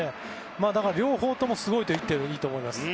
だから両方ともすごいといっていいと思います。